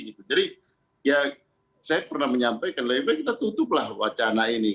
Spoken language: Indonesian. jadi ya saya pernah menyampaikan lebih baik kita tutuplah wacana ini